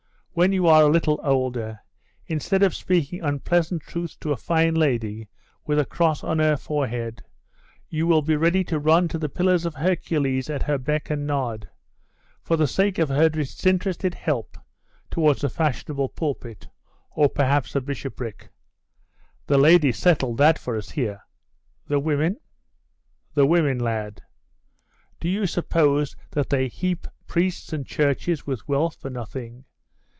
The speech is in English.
When you are a little older, instead of speaking unpleasant truths to a fine lady with a cross on her forehead, you will be ready to run to the Pillars of Hercules at her beck and nod, for the sake of her disinterested help towards a fashionable pulpit, or perhaps a bishopric. The ladies settle that for us here.' 'The women?' 'The women, lad. Do you suppose that they heap priests and churches with wealth for nothing?